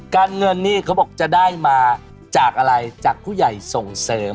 การเงินนี่เขาบอกจะได้มาจากอะไรจากผู้ใหญ่ส่งเสริม